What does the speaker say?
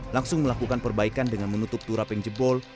langsung melakukan perbaikan dengan menutup turap yang jebol